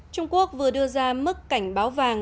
trung quốc vừa đưa ra mức cảnh báo vàng